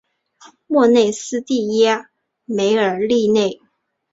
莫内斯蒂耶梅尔利内。